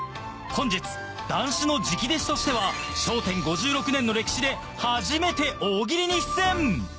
本日談志の直弟子としては『笑点』５６年の歴史で初めて大喜利に出演！